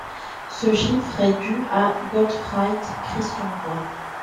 Ce chiffre est du à Gottfried Christian Voigt.